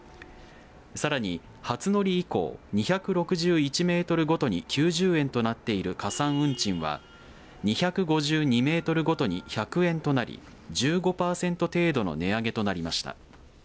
さらに初乗り以降２６１メートルごとに９０円となっている加算運賃は２５２メートルごとに１００円となり１５パーセント程度の値上げとなりました。